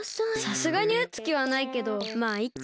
さすがにうつきはないけどまあいっか！